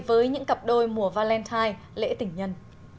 với những cặp đôi mùa valentine lễ tình nhân